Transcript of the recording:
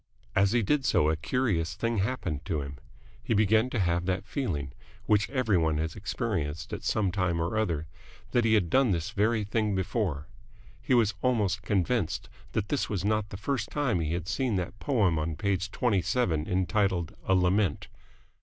As he did so a curious thing happened to him. He began to have that feeling, which every one has experienced at some time or other, that he had done this very thing before. He was almost convinced that this was not the first time he had seen that poem on page twenty seven entitled "A Lament."